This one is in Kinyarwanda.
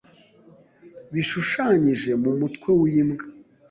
bishushanyije mu mutwe w’imbwa